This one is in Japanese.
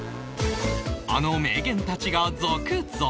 あの名言たちが続々！